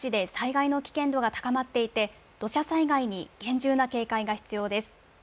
各地で災害の危険度が高まっていて、土砂災害に厳重な警戒が必要です。